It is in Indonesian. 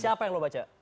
siapa yang lo baca